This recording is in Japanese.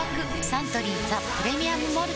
サントリー「ザ・プレミアム・モルツ」